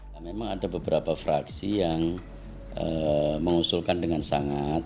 nah memang ada beberapa fraksi yang mengusulkan dengan sangat